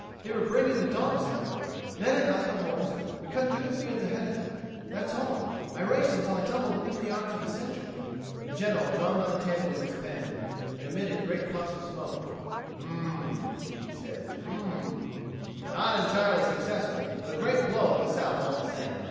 They were bringing the dogs out. Then I got the horse; we cut through the fields ahead of them. That's all. I raced until I tumbled into the arms of a Sentry." The General drummed on the table with his pen, and emitted great puffs of smoke. "Hm m m!" he said. "Hm m m! Not entirely successful, but a great blow at the South all the same.